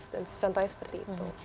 dan contohnya seperti itu